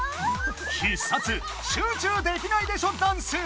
必殺「集中できないでしょダンス」！